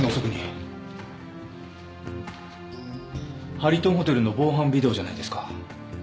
ハリトンホテルの防犯ビデオじゃないですか。